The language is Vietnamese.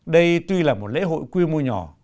đây tuy là một lễ hội quy mô nhỏ